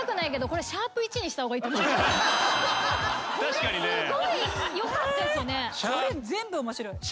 これ全部面白い。